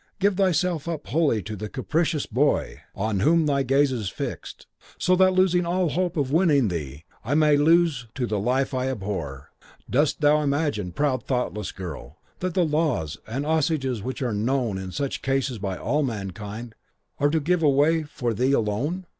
Give thyself up wholly to the capricious boy on whom thy gaze is fixed, so that losing all hope of winning thee I may lose too the life I abhor. Dost thou imagine, proud, thoughtless girl, that the laws and usages which are acknowledged in such cases by all mankind, are to give way for thee alone?